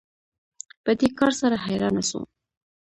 په دې کار سره حیرانه شو